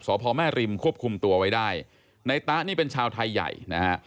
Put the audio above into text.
สพมมริมคบคุมตัวไว้ได้ไนตะนี่เป็นชาวไทยไยนะ